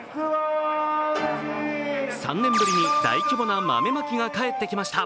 ３年ぶりに大規模な豆まきが帰ってきました。